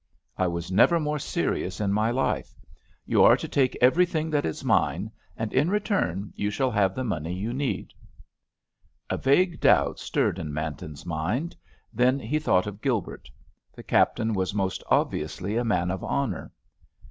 "I was never more serious in my life. You are to take everything that is mine, and in return you shall have the money you need." A vague doubt stirred in Manton's mind; then he thought of Gilbert. The Captain was most obviously a man of honour.